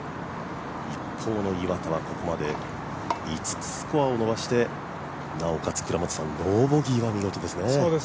一方の岩田はここまで５つスコアを伸ばしてなおかつ、ノーボギーは見事ですね。